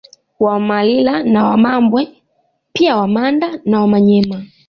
Wamalila na Wamambwe pi Wamanda na Wamanyema